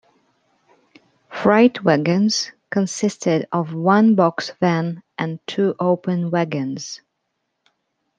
Freight wagons consisted of one box van and two open wagons.